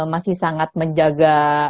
masih sangat menjaga